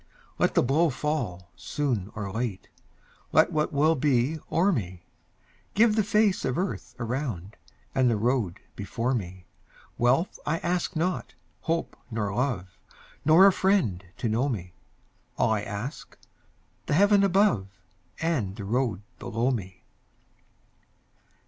Let the blow fall soon or late, Let what will be o'er me; Give the face of earth around, And the road before me. Wealth I ask not, hope nor love, Nor a friend to know me; All I ask, the heaven above And the road below me.